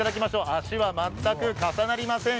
足は全く重なりません